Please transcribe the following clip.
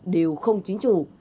đều không chính chủ